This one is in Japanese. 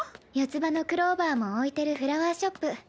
四つ葉のクローバーも置いてるフラワーショップ